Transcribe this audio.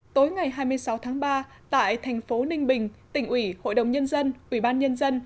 tối ngày hai mươi sáu tháng ba tại thành phố ninh bình tỉnh ủy hội đồng nhân dân ủy ban nhân dân